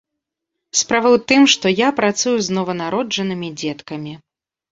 Справа ў тым, што я працую з нованароджанымі дзеткамі.